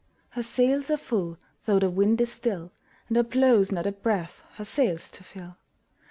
Her sails are full, though the wind is still, And there blows not a breath her sails to fill!